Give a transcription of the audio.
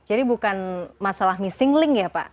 bukan masalah missing link ya pak